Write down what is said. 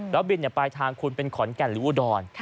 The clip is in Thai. แล้วบินปลายทางคุณเป็นขอนแก่นหรืออุดร